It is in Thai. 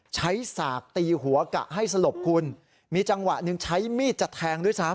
ฉากตีหัวกะให้สลบคุณมีจังหวะหนึ่งใช้มีดจะแทงด้วยซ้ำ